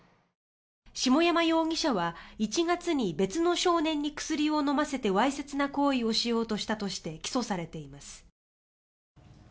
下山容疑者は１月に別の少年に薬を飲ませてわいせつな行為をしようとしたとして起訴されています。